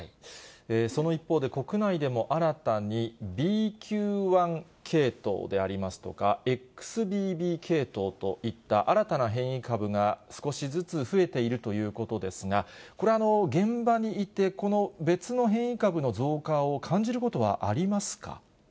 その一方で、国内でも新たにＢＱ．１系統でありますとか、ＸＢＢ系統といった新たな変異株が少しずつ増えているということですが、これ、現場にいて、この別の変異株の増加を感じることはありますか？